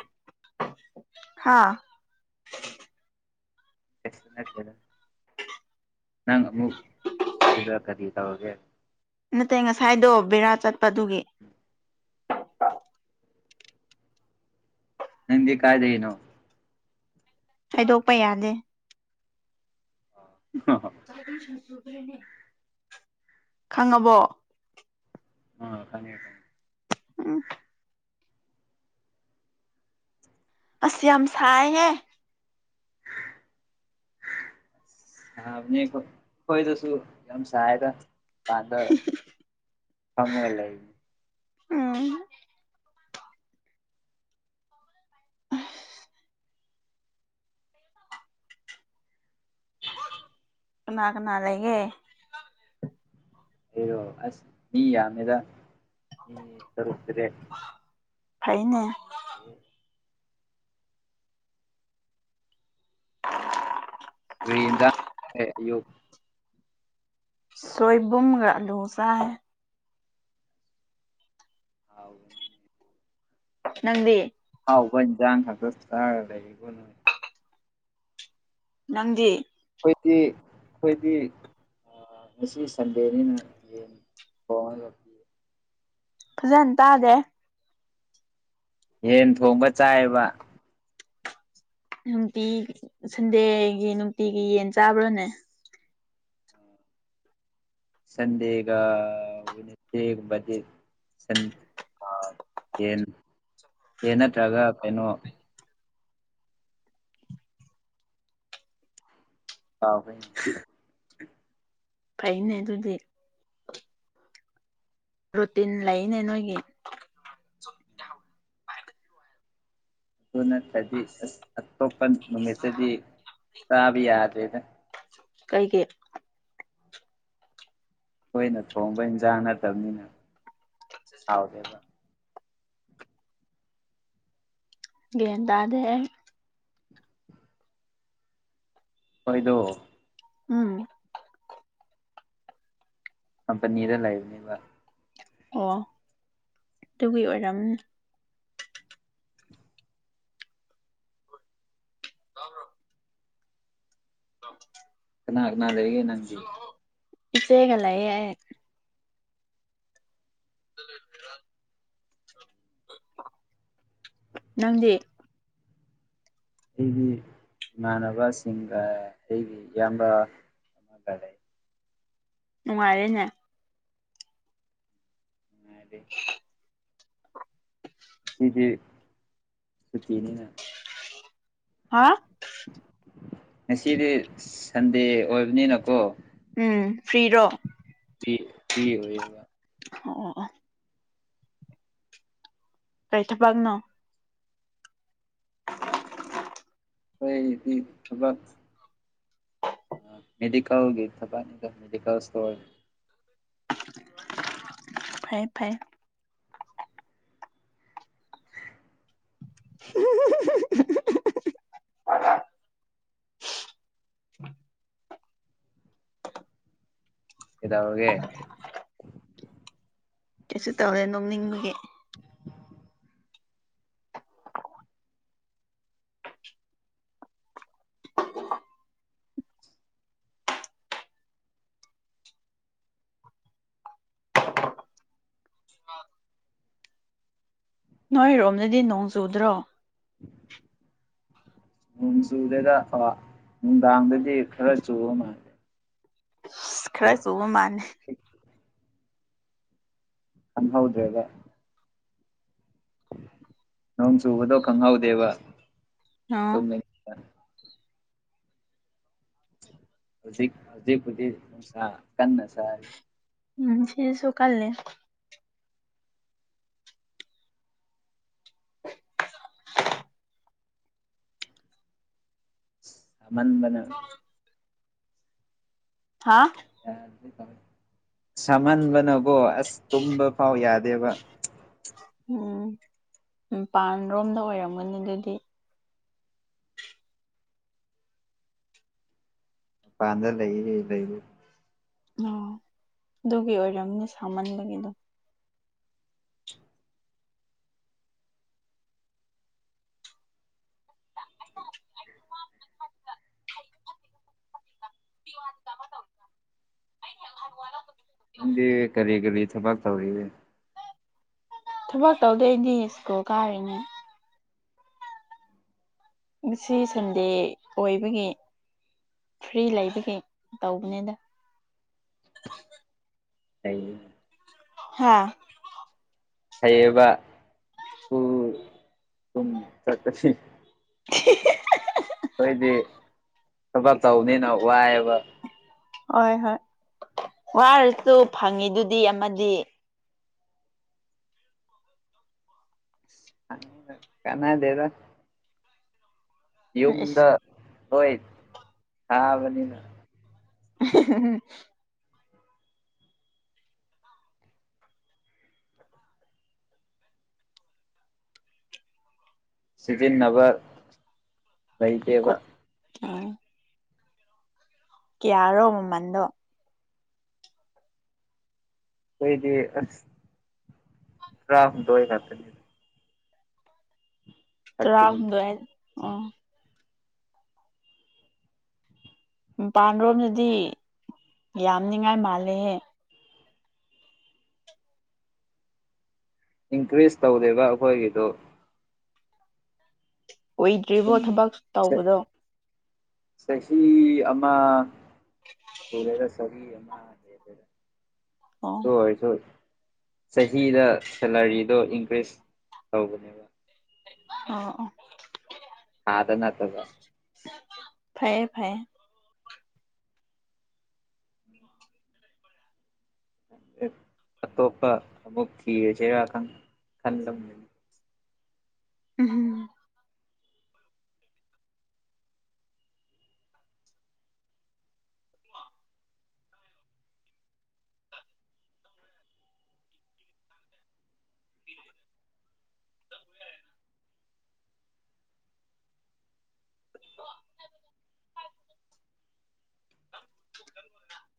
ꯎ ꯍꯥꯥ ꯁꯅꯔ ꯅꯪ ꯑꯃ ꯀꯗꯤ ꯇ ꯍꯒꯦ ꯅꯠꯇꯦ ꯉꯁꯥꯏꯗꯣ ꯕꯦꯔꯥ ꯆꯠꯄꯗꯨꯒꯤ ꯅꯗꯤ ꯀꯥꯏꯗ ꯌꯦꯩꯅꯣ ꯍꯥꯏꯗꯣꯛꯄ ꯌꯥꯗꯦ ꯑ ꯈꯪꯉꯕꯣ ꯑ ꯈ ꯎꯝ ꯑꯁꯤꯁ ꯌꯥꯝꯝꯁꯑ ꯍꯦ ꯍꯥ ꯅ ꯍꯣꯏꯗ ꯁꯨ ꯌꯥꯝ ꯁꯍ ꯀ ꯄꯥꯗ ꯐꯃ ꯂꯩ ꯎꯝ ꯀꯅꯥ ꯀꯅꯥ ꯂꯩꯒꯦ ꯑꯩꯔꯣ ꯑꯁ ꯃꯤ ꯌꯥꯝꯃꯦꯗ ꯃꯤ ꯇꯔꯨꯛꯇꯔꯦ ꯐꯩꯅꯦ ꯎ ꯂꯩꯗꯣ ꯁꯣꯏꯏꯕꯨꯝ ꯣꯁꯥ ꯍꯥꯏ ꯍꯥꯎ ꯅꯪꯗꯤ ꯍꯥꯎꯕꯅꯤꯖ ꯊꯥꯡꯖꯁꯨ ꯂꯩ ꯅꯪꯗꯤ ꯑꯩꯣꯏꯗꯤ ꯑꯩꯈꯣꯏꯗꯤ ꯉꯁꯤ ꯁꯟꯗꯦꯅꯤꯅ ꯐꯖꯅ ꯇꯥꯗꯦ ꯍꯦꯟ ꯊꯣꯡꯕ ꯆꯥꯏꯕ ꯅꯨꯡꯇꯤ ꯁꯟꯗꯦꯒꯤ ꯅꯨꯡꯇꯤꯒꯤ ꯌꯦꯟ ꯆꯥꯕ꯭ꯔꯥꯅꯦ ꯁꯟꯗꯦꯒꯅꯟ ꯑꯦꯟ ꯌꯦ ꯅꯠꯇ꯭ꯔꯒ ꯀꯩꯅꯣ ꯑꯥꯎ ꯐꯅꯦ ꯑꯗꯨꯗꯤ ꯔꯨꯇꯤꯟ ꯂꯩꯅꯦ ꯅꯣꯏꯒꯤ ꯑꯗꯨꯅ ꯀꯗꯤ ꯑ ꯑꯣꯄ ꯅꯨꯃꯤꯠꯇꯗꯤ ꯁꯥꯕꯤ ꯌꯥꯗꯦꯗ ꯀꯩ ꯀꯦ ꯍꯣꯏꯅ ꯊꯣꯡꯕ ꯏꯟꯁꯥꯡ ꯅꯠꯇꯕꯅꯤꯅ ꯍꯥꯎꯔꯦꯕ ꯒꯤꯦ ꯇꯗꯦ ꯑꯣꯏꯣꯏꯗ ꯎꯝ ꯑ ꯄꯅꯤꯔ ꯂꯑꯕꯅꯤꯕ ꯑꯣ ꯑꯗꯨꯒꯤ ꯑꯣꯏꯔꯝ ꯌꯥꯕ꯭ꯔꯣ ꯑ ꯀꯅꯥꯔꯅꯥꯗꯔꯤꯒꯤ ꯅꯗꯤ ꯆꯦꯒꯂꯑ ꯌꯥꯏ ꯑꯗꯨ ꯐꯔꯣ ꯅꯪꯗꯤ ꯑꯩꯒꯤ ꯏꯃꯥꯟꯅꯕꯁꯤꯡꯒ ꯑꯩꯒꯤ ꯏꯌꯥꯝꯕ ꯀ ꯂꯩ ꯅꯨꯡꯉꯥꯏꯔꯦꯅꯦ ꯑꯎꯝ ꯁꯤꯗꯤ ꯁꯨꯇꯤꯅꯤꯅ ꯍꯥ ꯉꯁꯤꯗꯤ ꯁꯟꯗꯦ ꯑꯣꯏꯕꯅꯤꯅꯀꯣ ꯎꯝ ꯐꯔꯤꯔꯣ ꯄꯔꯤ ꯐꯔꯤ ꯑꯣꯏꯌꯦꯒ ꯑꯣ ꯀꯩ ꯊꯕꯛꯅꯣ ꯍꯣꯏꯗꯤ ꯊꯕꯛ ꯃꯦꯗꯤꯀꯜꯒꯤ ꯊꯕꯛꯅꯤꯗ ꯃꯦꯗꯤꯀꯁ ꯐꯥꯏ ꯐꯥꯏ [inaudible] [unintelligible] ꯎꯝ ꯀꯩꯗꯧꯔꯒꯦ ꯀꯩꯁꯨ ꯇꯧꯔꯦ ꯅꯣꯡꯅꯤꯡꯕꯒꯤ ꯅꯣꯏꯔꯣꯝꯗꯗꯤ ꯅꯣꯡ ꯆꯨꯗ꯭ꯔꯣ [inaudible] [unintelligible] ꯆꯨꯗꯦꯗꯥ ꯑꯥ ꯅꯨꯡꯗꯥꯡꯗꯥꯗꯤ ꯈꯔꯥ ꯆꯨꯔꯝꯃꯦ ꯈꯔ ꯁꯨꯕ ꯃꯂꯦ ꯈꯡꯍꯧꯗꯔ꯭ꯦꯗ ꯅꯣꯡꯁꯨꯨꯕꯗꯣ ꯈꯪꯍꯥꯎꯗꯦꯕ ꯑꯣ ꯇꯨꯃꯤ ꯍꯧꯖꯤꯛ ꯍꯧꯖꯤꯛ ꯍꯧꯖꯤꯛꯄꯨꯗꯤ ꯅꯨꯉꯁꯥ ꯀꯟꯅ ꯁꯔꯤ ꯅꯨꯡꯊꯤꯜꯁꯨ ꯀꯜꯂꯦ [inaudible] [unintelligible] ꯁꯃꯟꯗꯅꯥ ꯍꯥꯥ ꯁꯃꯟꯗꯅꯥꯀꯣ ꯑꯁ ꯇꯨꯝꯕ ꯐꯥꯎ ꯌꯥꯗꯦ ꯗꯦꯕ ꯎꯝ ꯃꯄꯥꯟ ꯔꯣꯝꯗ ꯑꯣꯏꯔꯝꯒꯅꯤ ꯑꯗꯨꯗꯤ ꯄꯥꯟꯗ ꯂꯩꯔꯤ ꯂꯩꯔꯤ ꯑꯣ ꯑꯗꯨꯒꯤ ꯑꯣꯏꯔꯝꯅꯦ ꯁꯥꯃꯟꯕꯒꯤꯗꯣ ꯑ ꯇꯧꯪ [inaudible] [unintelligible] ꯅꯪꯗꯤ ꯀꯔꯤ ꯀꯔꯤ ꯊꯕꯛ ꯇꯧꯔꯤꯒꯦ ꯊꯕꯛ ꯇꯧꯗꯣꯏꯗꯤ ꯁ꯭ꯀꯨꯜ ꯀꯥꯔꯤꯅꯦ ꯉꯁꯤ ꯁꯟꯗꯦ ꯑꯣꯏꯕꯒꯤ ꯐ꯭ꯔꯤ ꯂꯩꯕꯒꯤ ꯇꯧꯕꯅꯤꯗ ꯀꯩ ꯍꯥꯥ ꯐꯩꯌꯦꯕ ꯄꯨꯡ ꯀꯨꯟ ꯆꯠꯄꯁꯤ [inaudible] [unintelligible] ꯑꯩꯈꯣꯏꯗꯤ ꯊꯕꯛ ꯇꯧꯕꯅꯤꯅ ꯋꯥꯏꯑꯕ ꯍꯣꯏ ꯍꯣꯏ ꯋꯥꯔꯁꯨ ꯐꯪꯉꯤꯗꯨꯗꯤ ꯑꯃꯗꯤ ꯀꯅꯥꯗꯦꯗ ꯏꯁ ꯌꯨꯝꯗ ꯍꯣꯏ ꯀꯥꯕꯅꯤꯅ [inaudible] [unintelligible] ꯁꯤꯖꯤꯟꯅꯕ ꯩꯗꯦꯕ ꯑ ꯀꯔꯣ ꯃꯃꯟꯗꯣ ꯀꯣꯏꯗꯤ ꯑꯁ ꯗꯣꯏ ꯍꯥꯇ ꯇꯔꯥ ꯊꯥꯔꯇꯤꯟ ꯍꯗ ꯑꯣ ꯃꯄꯥꯟ ꯔꯣꯝꯗꯗꯤ ꯌꯥꯝꯅꯤꯉꯥꯏ ꯃꯥꯜꯂꯦꯍꯦ ꯏꯟꯀ꯭ꯔꯤꯁ ꯇꯧꯗꯦꯕ ꯑꯩꯈꯣꯏꯒꯤꯗꯣ ꯑꯣꯏꯗ꯭ꯔꯤꯕꯣ ꯊꯕꯛ ꯇꯧꯕꯗꯣ ꯁꯍꯤ ꯑ ꯁꯦ ꯑꯣ ꯁ [inaudible] ꯆꯍꯤꯗ ꯁꯦꯂꯔꯤꯗꯣ ꯏꯟꯀ꯭ꯔꯤꯖ ꯇꯧꯕꯅꯦꯕ ꯑ ꯑꯣ ꯊꯥꯗ ꯅꯠꯇꯕ ꯐꯌꯦ ꯐꯩꯌꯦ ꯑꯇꯣꯞꯄ ꯑꯃꯨꯛ ꯊꯤꯔ ꯆꯩꯔ ꯈꯟ ꯎꯝꯝ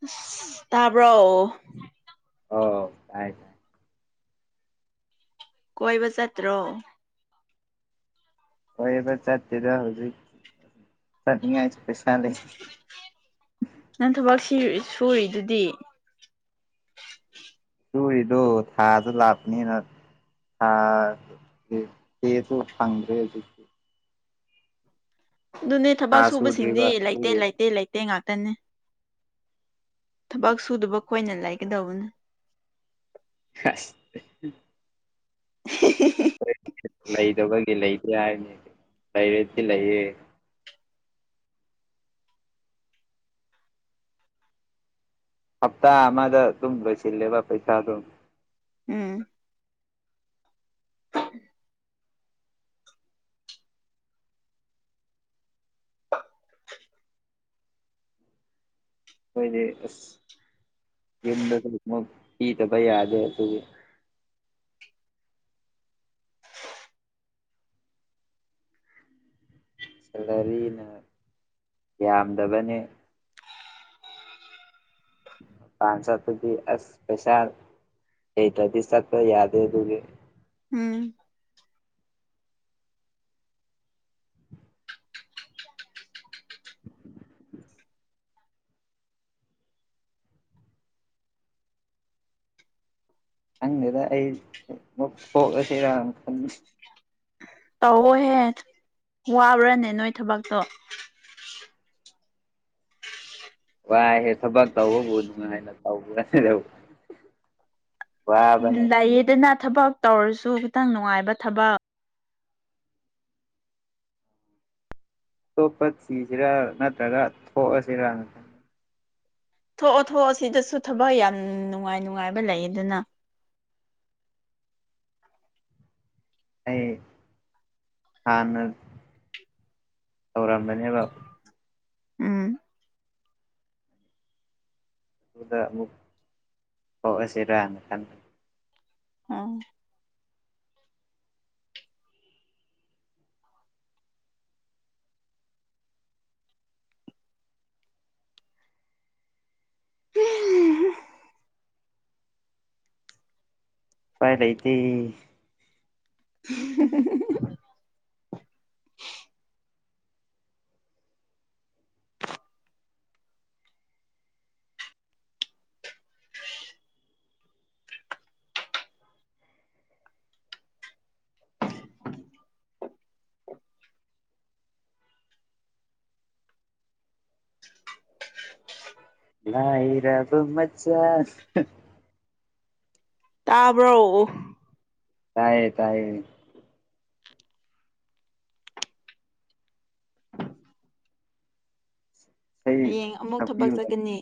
[unintelligible] ꯇꯥꯔꯕ ꯑꯣ ꯇꯥꯏ ꯇꯥꯏ ꯀꯣꯏꯕ ꯆꯠꯇ꯭ꯔꯣ ꯍꯣꯏꯕ ꯆꯤꯗ ꯍꯧꯖꯤ ꯆꯅꯤꯡ ꯆ ꯄꯩꯁ ꯂꯩꯦ ꯅꯪ ꯊꯕꯛ ꯁꯨꯔꯤꯗꯨꯗꯤ ꯇꯨꯔꯤꯗꯣ ꯊꯥꯗꯣ ꯂꯥꯞꯄꯅꯤꯅ ꯍ ꯍ ꯐꯪꯗ꯭ꯔꯦ ꯑꯗꯨꯅꯦ ꯊꯥ ꯊꯕꯛ ꯁꯨꯗ꯭ꯔꯤꯕ ꯁꯨꯕꯁꯤꯡꯗꯤ ꯂꯩꯇꯦ ꯑꯗꯨꯒꯤ ꯂꯩꯇꯦ ꯂꯩꯇꯦ ꯉꯥꯛꯇꯅꯤ ꯊꯕꯛ ꯁꯨꯗꯕ ꯈꯣꯏꯅ ꯂꯩꯒꯗꯧꯕꯅꯤ ꯑꯁ ꯂꯩꯗꯕꯒꯤ ꯂꯩꯇꯦ ꯍꯥꯏꯅꯤ ꯇꯥꯏꯔꯦꯤ ꯂꯩꯌꯦ ꯍꯞꯇꯥ ꯑꯃꯗ ꯑꯗꯨꯝ ꯁꯤ ꯂꯩꯕ ꯄꯩꯁꯥ ꯑꯗꯨ ꯎꯝ [unintelligible] ꯍꯣꯏꯗꯤ ꯑ ꯏ ꯅꯂꯤ ꯃ ꯄꯤ ꯇ ꯄꯩꯗꯦ ꯁꯦꯂꯔꯤꯅ ꯌꯥꯝꯗꯕꯅꯦ ꯄꯥꯟꯁꯗꯤ ꯁꯄꯦꯁꯜ ꯑꯩ ꯇꯗꯤꯁ ꯌꯥꯗꯦ ꯇꯒ ꯎꯝ ꯍꯪꯗ ꯑꯩꯒ ꯁꯤꯔ ꯈꯟꯕꯅꯦ ꯇꯧꯑꯣꯍꯦ ꯋꯥꯕ꯭ꯔꯥꯅꯦ ꯅꯣꯏ ꯊꯕꯛꯇꯣ ꯋꯥ ꯍꯦ ꯊꯕꯥꯛ ꯇꯥꯎꯕꯨ ꯊ ꯂꯩꯌꯦꯗꯅ ꯊꯕꯛ ꯇꯧꯔꯁꯨ ꯈꯤꯇꯪ ꯅꯨꯡꯉꯥꯏꯕ ꯊꯕꯛ ꯄ ꯁꯤꯔ ꯅꯠꯇ ꯊꯣꯛ ꯁꯤꯔ ꯅ ꯊꯣꯛꯑꯣ ꯊꯣꯛꯑꯣ ꯁꯤꯗꯁꯨ ꯊꯕꯛ ꯌꯥꯝ ꯅꯨꯡꯉꯥꯏ ꯅꯨꯡꯉꯥꯏꯕ ꯂꯩ ꯑꯗꯨꯅ [unintelligible] ꯑꯦ ꯍ ꯅ ꯍꯧꯔꯝꯕꯅꯦꯕꯕ ꯎꯝ ꯑꯗꯨꯗꯛ ꯁꯤꯔꯅ ꯑꯥ ꯎꯄꯥꯏ ꯂꯩꯇꯦ [unintelligible] ꯂꯥꯏꯔꯕ ꯃꯆꯥ ꯇꯥꯕ꯭ꯔꯣ ꯇꯥꯏꯌꯦ ꯇꯥꯏꯌꯦ ꯏꯁꯩ ꯍꯌꯦꯡ ꯑꯃꯨꯛ ꯊꯕꯛ ꯆꯠꯀꯅꯤ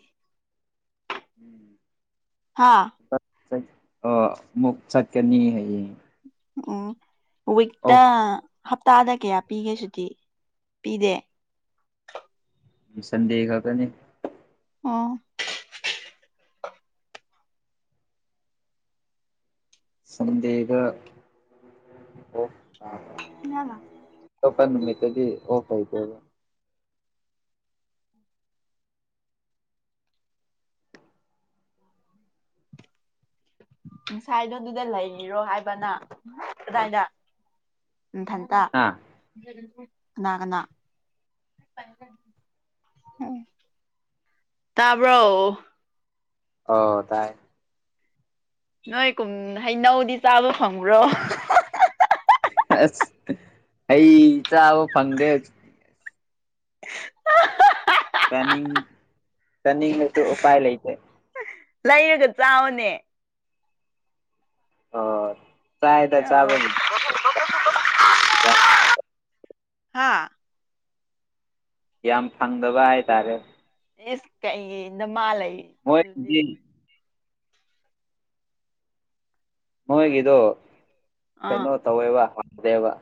ꯍꯥ [unintelligible] ꯑ ꯃꯨꯛ ꯆꯠꯀꯅꯤ ꯍꯥꯏꯌꯦ ꯎꯝ ꯋꯤꯛꯇ ꯍꯞꯇꯥꯗ ꯀꯌꯥ ꯄꯤꯒꯦ ꯁꯨꯇꯤ ꯄꯤꯗꯦ ꯁꯟꯗꯦ ꯈꯛ ꯇꯅꯤ ꯑꯣ ꯁꯟꯗꯦꯒ [unintelligible] ꯑꯇꯣꯞꯄ ꯅꯨꯃꯤꯠꯇꯗꯤ ꯑꯣꯁ ꯂꯩꯇꯦꯗ ꯉꯁꯥꯏꯗꯣ ꯑꯗꯨꯗ ꯂꯩꯔꯣ ꯍꯥꯏꯕ ꯅꯪ ꯀꯗꯥꯏꯅ ꯅꯊꯟꯇ ꯍꯥ ꯀꯅꯥ ꯀꯅꯥ ꯇꯥꯕ꯭ꯔꯣ ꯑꯣ ꯇꯥꯏ ꯅꯣꯏ ꯀꯨꯝ ꯍꯩꯅꯧꯗꯤ ꯆꯥꯕ ꯐꯪꯕ꯭ꯔꯣ ꯑ ꯑꯩ ꯆꯥꯕ ꯐꯪꯗꯦ ꯆꯥꯅꯤꯡ ꯆꯥꯅꯤꯡꯑꯁꯨ ꯎꯄꯥꯏ ꯂꯩꯇꯦ ꯂꯩꯔꯒ ꯆꯥꯎꯅꯦ ꯑ ꯆꯥꯏꯅ ꯆꯥꯕꯕꯨꯗꯤ ꯍꯥꯥ ꯌꯥꯝ ꯐꯪꯗꯕ ꯍꯥꯏꯇꯥꯔꯦ ꯏꯁ ꯀꯩꯏꯟꯗ ꯃꯥ ꯂꯩ ꯑꯗꯨꯗꯤ ꯃꯣꯏꯒꯤ ꯅꯣꯏꯒꯤꯗꯣ ꯑꯥ ꯀꯩꯅꯣ ꯇꯧꯋꯦꯕ ꯍꯥꯎꯇꯦꯕ